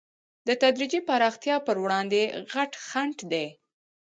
د تدریجي پراختیا پر وړاندې غټ خنډ دی.